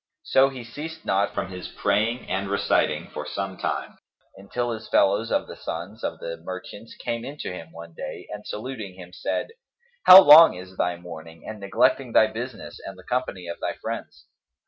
So he ceased not from his praying and reciting for some time, until his fellows of the sons of the merchants came in to him one day and saluting him, said, "How long this thy mourning and neglecting thy business and the company of thy friends?